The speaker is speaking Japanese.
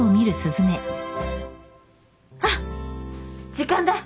あっ時間だ。